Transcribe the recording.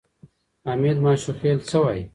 حمید ماشوخېل څه وایي؟